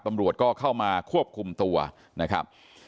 ตำรวจก็เข้ามาควบคุมตัวนะครับ